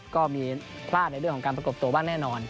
ก็มีพลาดในเรื่องของการประกบตัวบ้างแน่นอน